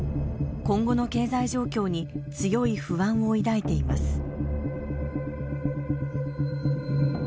今後の経済状況に強い不安を抱いています。